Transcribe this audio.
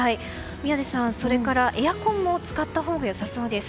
宮司さん、それからエアコンも使ったほうが良さそうです。